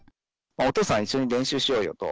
お父さん、一緒に練習しようと。